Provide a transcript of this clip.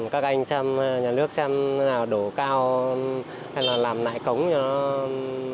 các anh xem nhà nước xem nào đổ cao hay là làm lại cống cho nó